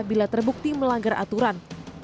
bila terbukti melanggar aturan